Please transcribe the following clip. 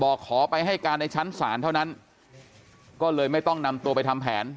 ขอไปให้การในชั้นศาลเท่านั้นก็เลยไม่ต้องนำตัวไปทำแผน